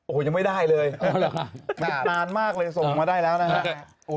โอ้โหยังไม่ได้เลยนานมากเลยส่งมาได้แล้วนะครับ